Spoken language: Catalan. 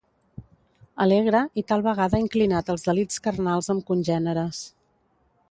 Alegre i tal vegada inclinat als delits carnals amb congèneres.